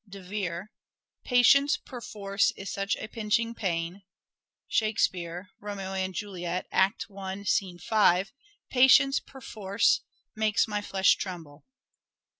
De Vere :" Patience perforce is such a pinching pain." Shakespeare (" Romeo and Juliet," I. 5) :" Patience perforce ... makes my flesh tremble."